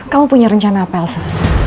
kamu punya rencana apa elsa